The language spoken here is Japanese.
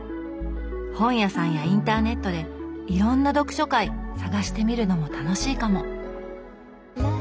本屋さんやインターネットでいろんな読書会探してみるのも楽しいかも。